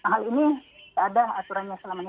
hal ini tidak ada aturannya selamanya